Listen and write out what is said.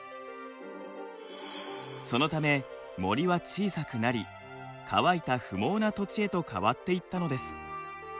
そのため森は小さくなり乾いた不毛な土地へと変わっていったのです。